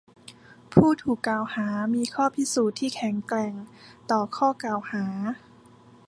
ผู้ถูกกล่าวหามีข้อพิสูจน์ที่แข็งแกร่งต่อข้อกล่าวหา